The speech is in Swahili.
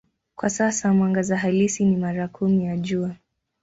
Kwa sasa mwangaza halisi ni mara kumi ya Jua.